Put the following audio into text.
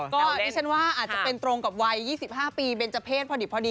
ก็ดิฉันว่าอาจจะเป็นตรงกับวัย๒๕ปีเบนเจอร์เพศพอดี